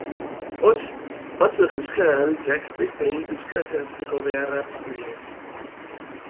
Hots, batzuek euskara erabiltzeak besteei euskaraz erantzuteko beharra piztu die.